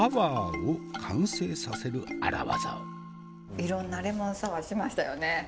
いろんなレモンサワーしましたよね。